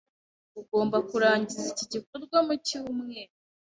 Ugomba kurangiza iki gikorwa mucyumweru.